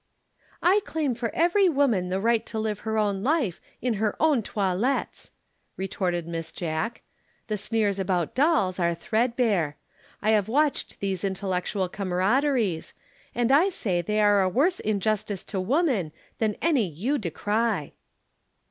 "I claim for every woman the right to live her own life in her own toilettes," retorted Miss Jack. "The sneers about dolls are threadbare. I have watched these intellectual camaraderies, and I say they are a worse injustice to woman than any you decry."